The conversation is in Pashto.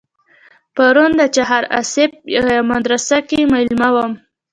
پرون د چهار آسیاب په یوه مدرسه کې مېلمه وم.